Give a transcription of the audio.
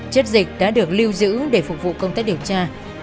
chất dịch đã được lưu giữ để phục vụ công tác điều tra